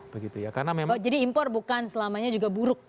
jadi impor bukan selamanya juga buruk